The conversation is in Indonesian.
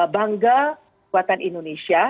bangga kuatan indonesia